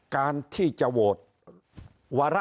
การที่จะโหวต